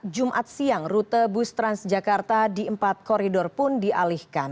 jumat siang rute bus transjakarta di empat koridor pun dialihkan